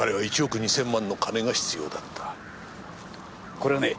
これはね